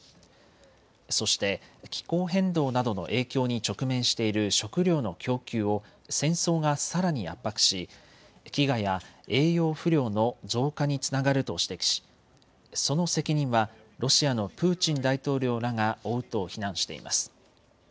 そして気候変動などの影響に直面している食料の供給を戦争がさらに圧迫し飢餓や栄養不良の増加につながると指摘しその責任はロシアのプーチン大統領らが負うと非難しています。